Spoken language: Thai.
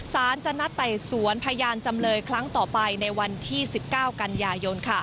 สารจะนัดไต่สวนพยานจำเลยครั้งต่อไปในวันที่๑๙กันยายน